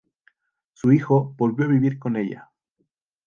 Su hijo volvió a vivir con ella.